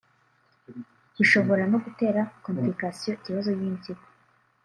[Bishobora no gutera] complication (ikibazo) y’impyiko”